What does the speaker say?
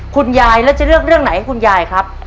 คุณยายแล้วจะเลือกเรื่องไหนให้คุณยายครับ